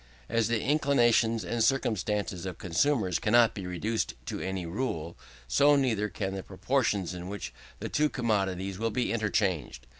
As the inclinations and circumstances of consumers cannot be reduced to any rule, so neither can the proportions in which the two commodities will be interchanged.